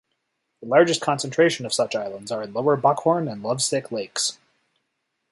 The largest concentration of such islands are in Lower Buckhorn and Lovesick Lakes.